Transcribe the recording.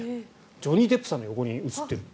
ジョニー・デップさんの横に写っている。